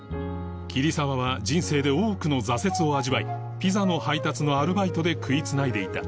桐沢は人生で多くの挫折を味わいピザの配達のアルバイトで食いつないでいた